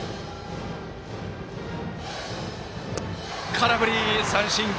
空振り三振！